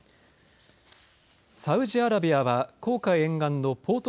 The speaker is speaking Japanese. サウジアラビアは紅海沿岸のポート